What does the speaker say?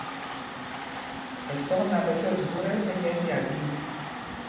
Ɛsɔk náǎ ɓɛ tɔs vot ɛ, ɓɛ nyɛɛ fyal ɗin.